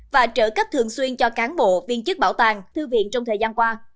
và trợ cấp thường xuyên cho cán bộ viên chức bảo tàng thư viện trong thời gian qua